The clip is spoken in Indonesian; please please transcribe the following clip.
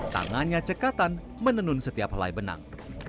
tangannya cekatan menenun setiap helai benang